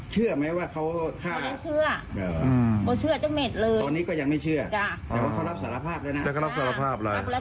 เชื่อไหมตอนนี้เราเป็นภรรยา